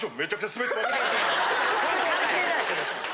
それ関係ないでしょ別に。